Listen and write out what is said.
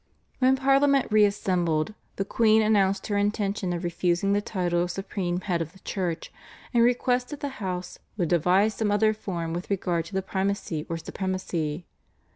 When Parliament re assembled the queen announced her intention of refusing the title of supreme head of the Church, and requested the House "would devise some other form with regard to the primacy or supremacy."